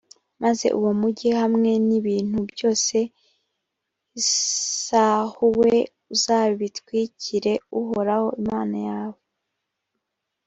maze uwo mugi hamwe n’ibintu byose bisahuwe uzabitwikire uhoraho imana yawe.